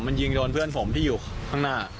มันยิงโดนเพื่อนผมที่อยู่ข้างหน้า